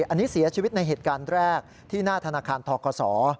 อันนี้เสียชีวิตในเหตุการณ์แรกที่หน้าธนาคารทกศ